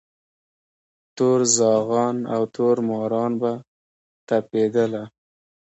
تور زاغان او تور ماران به تپېدله